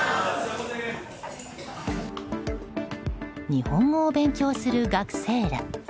日本語を勉強する学生ら。